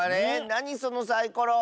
なにそのサイコロ？